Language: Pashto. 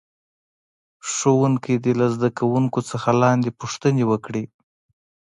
ښوونکی دې له زده کوونکو څخه لاندې پوښتنې وکړي.